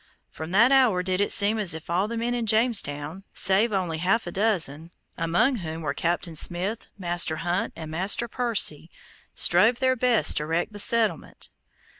From that hour did it seem as if all the men in Jamestown, save only half a dozen, among whom were Captain Smith, Master Hunt and Master Percy, strove their best to wreck the settlement.